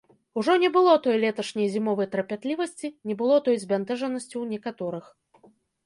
Ужо не было той леташняй зімовай трапятлівасці, не было той збянтэжанасці ў некаторых.